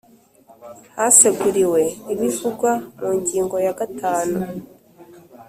Haseguriwe ibivugwa mu ngingo ya gatanu